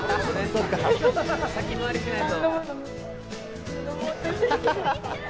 先回りしないと。